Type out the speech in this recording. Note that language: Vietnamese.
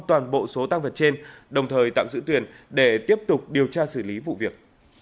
toàn bộ số tăng vật trên đồng thời tạm giữ tuyền để tiếp tục điều tra xử lý vụ việc